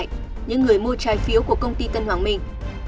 những người mua trái phiếu của công ty tân hoàng minh